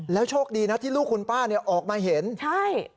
โชคดีนะที่ลูกคุณป้าเนี่ยออกมาเห็นใช่